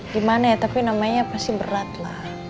gimana ya tapi namanya pasti berat lah